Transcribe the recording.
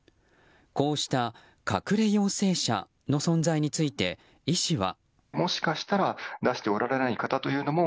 こうした隠れ陽性者の存在について医師はｋ。